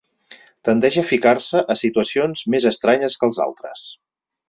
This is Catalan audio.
Tendeix a ficar-se a situacions més estranyes que els altres.